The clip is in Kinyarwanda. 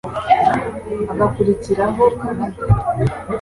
hagakurikiraho Canada